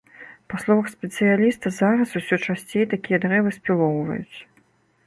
Па словах спецыяліста, зараз усё часцей такія дрэвы спілоўваюць.